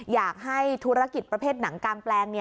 อยากให้ธุรกิจประเภทหนังกางแปลง